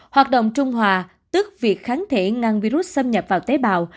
hoạt động trung hòa tức việc kháng thể ngăn virus xâm nhập vào tế bào